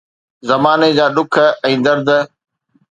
زماني جا ڏک ۽ درد